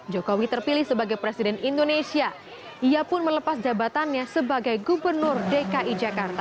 jokowi terpilih sebagai presiden indonesia ia pun melepas jabatannya sebagai gubernur dki jakarta